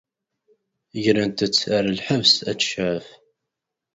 Grent-tt ɣer lḥebs ad tecɛef.